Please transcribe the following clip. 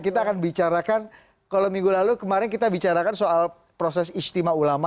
kita akan bicarakan kalau minggu lalu kemarin kita bicarakan soal proses istimewa ulama